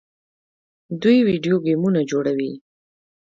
دوی ویډیو ګیمونه جوړوي.